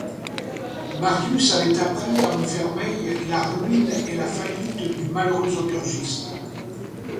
Marius avait appris à Montfermeil la ruine et la faillite du malheureux aubergiste.